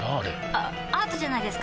あアートじゃないですか？